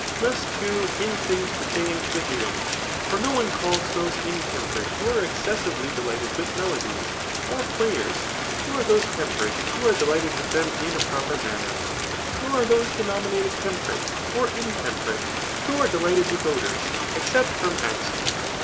Thus too in things pertaining to the hearing ; for no one calls those persons intemperate, who are excessively delighted with melodies, or players ; nor those tempi^rate^ who are delighted with them in a ^per manner. Nor are those denominated temperate or intemperate, who are delighted with odours, except from accident.